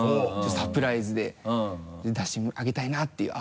サプライズで出してあげたいなっていう。